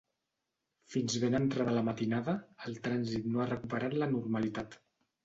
Fins ben entrada la matinada, el trànsit no ha recuperat la normalitat.